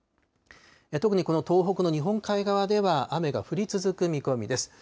特にこの東北の日本海側では雨が降り続く見込みです。